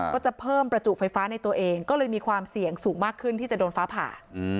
ก็จะเพิ่มประจุไฟฟ้าในตัวเองก็เลยมีความเสี่ยงสูงมากขึ้นที่จะโดนฟ้าผ่า